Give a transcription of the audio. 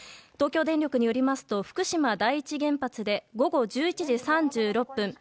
東京電力によりますと福島第一原発で午後１１時３６分